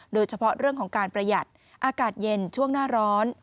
โดยเฉพาะเรื่องของการประหยัดอากาศเย็นช่วงหน้าร้อน